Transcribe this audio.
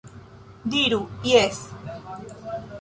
Diru "jes!"